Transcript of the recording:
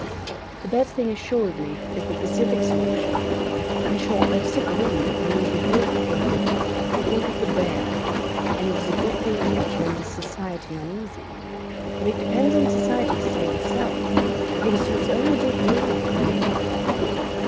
The best thing, assuredly, is the pacific solution. In short, let us agree that when we behold the pavement, we think of the bear, and it is a good will which renders society uneasy. But it depends on society to save itself, it is to its own good will that we make our appeal.